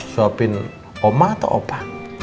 sopin oma atau opa